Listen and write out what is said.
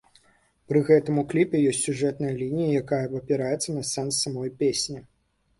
Пры гэтым у кліпе ёсць сюжэтная лінія, якая абапіраецца на сэнс самой песні.